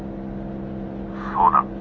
「そうだ」。